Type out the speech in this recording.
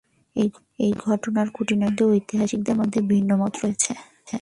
এই ঘটনাটির খুঁটিনাটি সম্বন্ধে ঐতিহাসিকদের মধ্যে ভিন্নমত রয়েছে।